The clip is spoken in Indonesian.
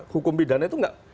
hukum bidangnya itu nggak